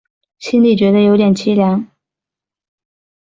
心里觉得有点凄凉